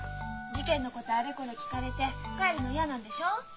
事件のことあれこれ聞かれて帰るの嫌なんでしょう？